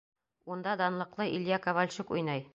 Унда данлыҡлы Илья Ковальчук уйнай!